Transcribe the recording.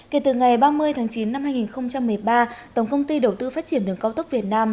kể từ ngày ba mươi tháng chín năm hai nghìn một mươi ba tổng công ty đầu tư phát triển đường cao tốc việt nam